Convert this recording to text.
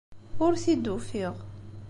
Ur t-id-ufiɣ.